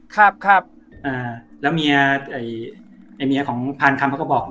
ครับครับอ่าแล้วเมียไอ้เมียของพานคำเขาก็บอก